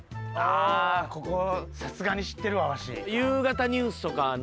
さすがに知ってるわわし。